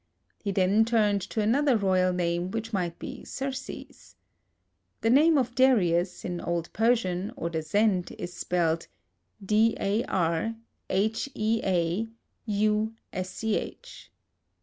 He then turned to another royal name which might be Xerxes. The name of Darius, in old Persian, or the Zend, is spelled: D A R H E A U SCH.